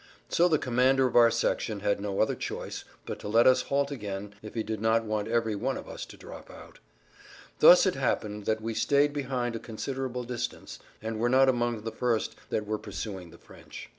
So the commander of our section had no other choice but to let us halt again if he did not want every one of us to drop out. Thus it happened that we stayed behind a considerable distance, and were not amongst the first that were pursuing the French.